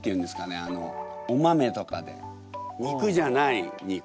あのお豆とかで肉じゃない肉。